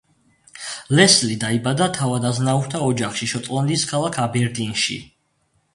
ლესლი დაიბადა თავადაზნაურთა ოჯახში, შოტლანდიის ქალაქ აბერდინში.